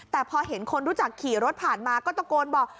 แต่พอเห็นคนรู้จักขี่รถผ่านมาก็ตะโกนบอก